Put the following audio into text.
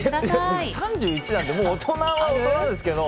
僕３１なんでもう大人は大人ですけど。